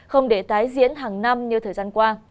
không để tái diễn hàng năm như thời gian qua